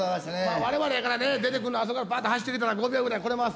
我々やからね出てくんのあそこからバッと走ってきたら５秒ぐらいで来れまっせ。